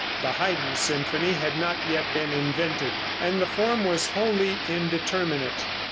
The Haydn symphony had not yet been invented, and the form was wholly indeterminate.